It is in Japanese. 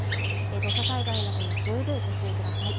土砂災害などに十分ご注意ください